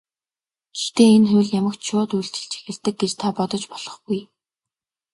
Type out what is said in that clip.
Гэхдээ энэ хууль ямагт шууд үйлчилж эхэлдэг гэж та бодож болохгүй.